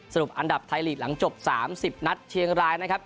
อันดับไทยลีกหลังจบ๓๐นัดเชียงรายนะครับ